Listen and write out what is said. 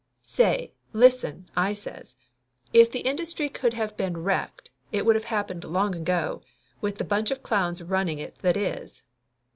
"Say, listen !" I says. "If the industry could of been wrecked it would of happened long ago, with the bunch of clowns running it that is!